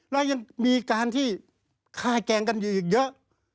แล้วยังมีการที่ฆ่าแกล้งกันอยู่อีกเยอะ